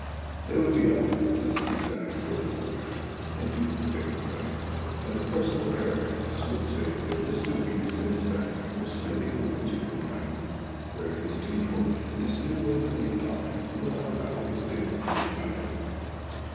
They would be off to the seaside for a fortnight, and do the thing well, and the personal paragraphs would say that Mr Weeks and his family were spending the winter in Brighton, " where it is to be hoped that this new and brilliant author will not allow his pen to be idle."